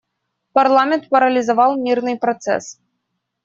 Парламент парализовал мирный процесс.